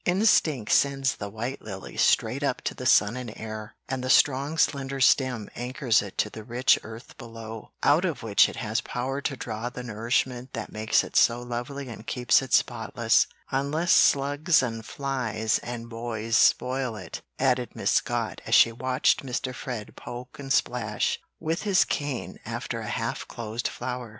"Instinct sends the white lily straight up to the sun and air, and the strong slender stem anchors it to the rich earth below, out of which it has power to draw the nourishment that makes it so lovely and keeps it spotless unless slugs and flies and boys spoil it," added Miss Scott as she watched Mr. Fred poke and splash with his cane after a half closed flower.